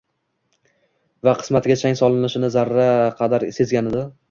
va qismatiga chang solinishini zarra qadar sezganida